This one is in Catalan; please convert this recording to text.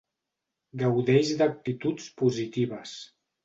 Gaudeix d'actituds positives.